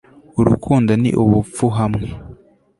urukundo ni ubupfu hamwe